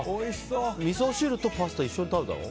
みそ汁とパスタ一緒に食べたの？